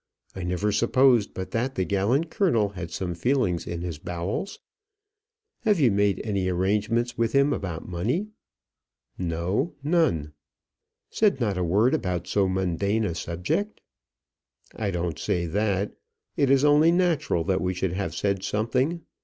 I never supposed but that the gallant colonel had some feelings in his bowels. Have you made any arrangements with him about money?" "No none." "Said not a word about so mundane a subject?" "I don't say that; it is only natural that we should have said something.